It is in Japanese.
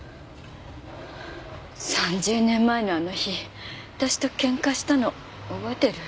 ３０年前のあの日私とケンカしたの覚えてる？